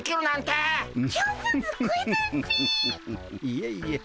いえいえ。